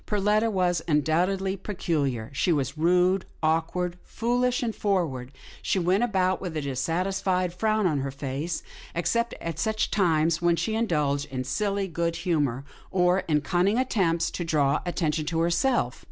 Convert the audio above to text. Perletta was undoubtedly peculiar — she was rude, awkward, foolish and forward, and she went about with a dissatisfied frown on her face, except at such times when she indulged in silly good humour, or in cunning attempts to draw attention to herself.